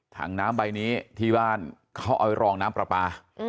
ถังน้ำใบนี้ที่บ้านเขาเอาไว้รองน้ำปลาปลา